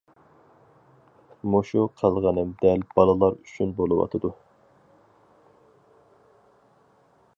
-مۇشۇ قىلغىنىم دەل بالىلار ئۈچۈن بولۇۋاتىدۇ.